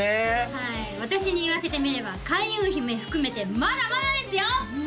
はい私に言わせてみれば開運姫含めてまだまだですよ！